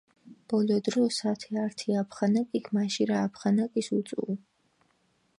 ბოლო დროს ათე ართი აფხანაკიქ მაჟირა აფხანაკის უწუუ.